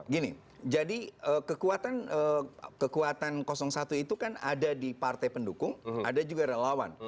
gini jadi kekuatan satu itu kan ada di partai pendukung ada juga relawan